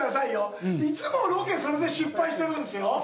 いつもロケそれで失敗してるんすよ。